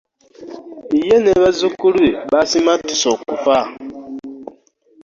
Yye ne bazukkulu be basimattusse okufa .